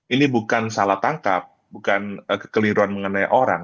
ini bukan salah tangkap bukan kekeliruan mengenai orang